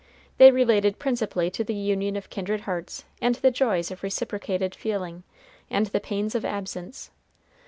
They related principally to the union of kindred hearts, and the joys of reciprocated feeling and the pains of absence.